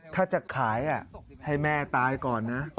ถ้าจะขายให้แม่ตายก่อนนะ